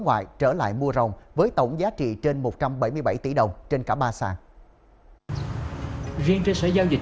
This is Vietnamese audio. ngoại trở lại mua rồng với tổng giá trị trên một trăm bảy mươi bảy tỷ đồng trên cả ba sàn riêng trên sở giao dịch